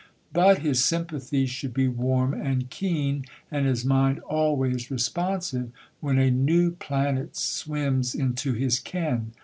But his sympathies should be warm and keen, and his mind always responsive, when a new planet swims into his ken.